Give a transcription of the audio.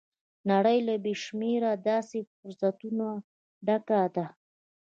نړۍ له بې شمېره داسې فرصتونو ډکه ده.